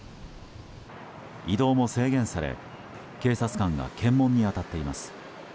移動も制限され警察官が検問に当たっています。